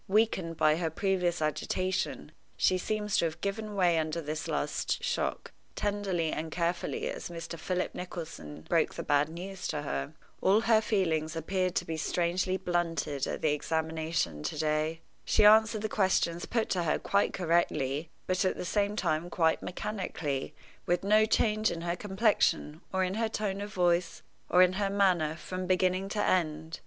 Weakened by her previous agitation, she seems to have given way under this last shock, tenderly and carefully as Mr. Philip Nicholson broke the bad news to her. All her feelings appeared to be strangely blunted at the examination to day. She answered the questions put to her quite correctly, but at the same time quite mechanically, with no change in her complexion, or in her tone of voice, or in her manner, from beginning to end.